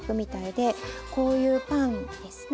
こういうパンですね。